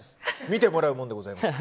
見てもらうものでございます。